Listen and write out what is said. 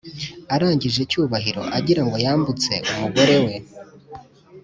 arangije cyubahiro agirango Yambutse umugorere we